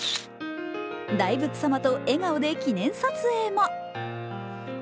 大仏様と笑顔で記念撮影も。